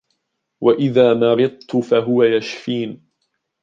وَإِذَا مَرِضْتُ فَهُوَ يَشْفِينِ